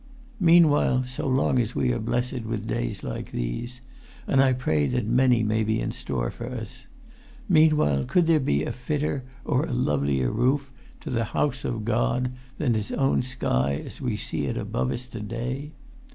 "Meanwhile, so long as we are blessed with days like these—and I pray that many may be in store for us—meanwhile, could there be a fitter or a lovelier roof to the House of God than His own sky as we see it above us to day?